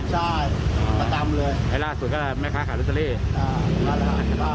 ใช่ประตำเลยไอ้ล่าสุดก็แม่ค้าขาดลูกซัลลี่อ่าล่าหลายบ้าน